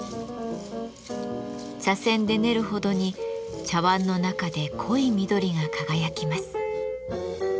茶せんで練るほどに茶わんの中で濃い緑が輝きます。